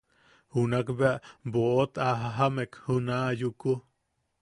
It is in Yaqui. Junak bea boʼot a jajamek juna Yuku.